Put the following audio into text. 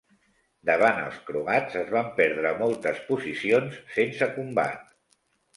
Davant els croats es van perdre moltes posicions sense combat.